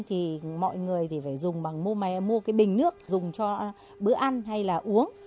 thì mọi người phải dùng bằng mua bình nước dùng cho bữa ăn hay là uống